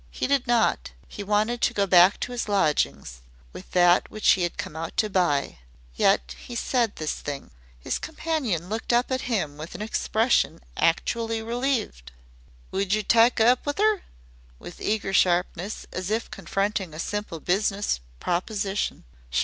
He did not. He wanted to go back to his lodgings with that which he had come out to buy. Yet he said this thing. His companion looked up at him with an expression actually relieved. "Would yer tike up with 'er?" with eager sharpness, as if confronting a simple business proposition.